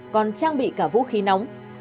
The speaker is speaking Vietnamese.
còn trang bị cả vũ khí nóng